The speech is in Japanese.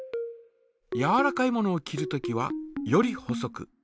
やわらかいものを切るときはより細く。